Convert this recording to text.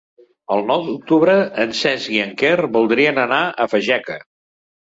El nou d'octubre en Cesc i en Quer voldrien anar a Fageca.